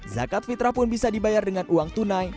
zakat fitrah pun bisa dibayar dengan uang tunai